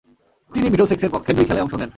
তিনি মিডলসেক্সের পক্ষে দুই খেলায় অংশ নেন।